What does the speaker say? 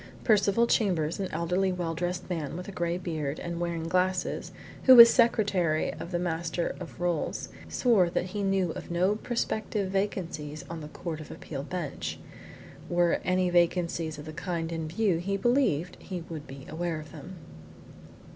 Percival Chambers, an elderly well dressed man with a grey beard, and wearing glasses, who was secretary of the Master of Rolls, swore that he knew of no prospective vacancies on the Court of Appeal Bench. Were any vacancies of the kind in view he believed he would be aware of them.